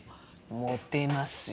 モテますよ